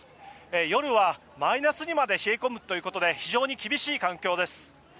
夜はマイナスにまで冷え込むということで非常に厳しい環境です。